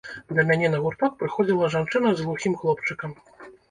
Да мяне на гурток прыходзіла жанчына з глухім хлопчыкам.